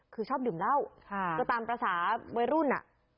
คือชอบดื่มเหล้าก็ตามภาษาวัยรุ่นอ่ะ